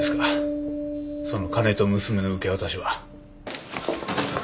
その金と娘の受け渡しは。